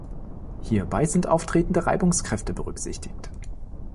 Hierbei sind auftretende Reibungskräfte berücksichtigt.